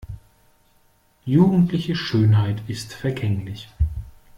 Jugendliche Schönheit ist vergänglich.